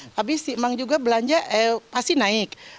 habis memang juga belanja pasti naik